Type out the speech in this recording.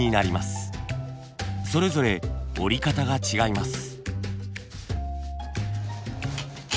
それぞれ織り方が違います。